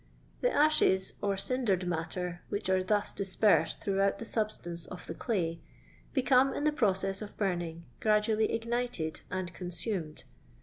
The ashes, or dndered matter, which are thus dispersed throughout the substance of the cLiy, be<»me, in the process of burning, gradually ignited and coneamed.